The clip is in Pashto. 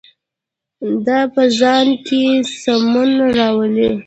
دا په ځان کې سمون راولي.